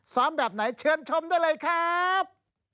ซ้อมแบบไหนเชิญชมด้วยเลยครับ